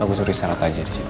aku suruh istirahat aja disitu